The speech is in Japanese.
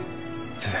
先生。